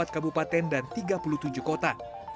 dua ratus dua puluh empat kabupaten dan tiga puluh tujuh kota